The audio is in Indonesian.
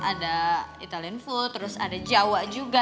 ada italian food terus ada jawa juga